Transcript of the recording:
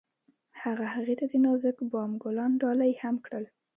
هغه هغې ته د نازک بام ګلان ډالۍ هم کړل.